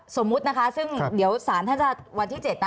สมมุตินะคะซึ่งเดี๋ยวสารท่านจะวันที่๗นะ